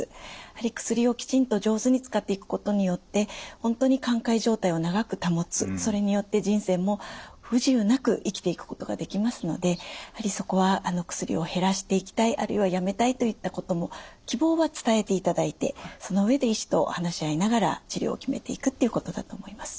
やはり薬をきちんと上手に使っていくことによって本当に寛解状態を長く保つそれによって人生も不自由なく生きていくことができますのでやはりそこは薬を減らしていきたいあるいはやめたいといったことも希望は伝えていただいてその上で医師と話し合いながら治療を決めていくっていうことだと思います。